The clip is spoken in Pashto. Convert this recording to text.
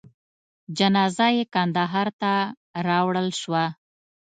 جنازه یې کندهار ته راوړل شوه.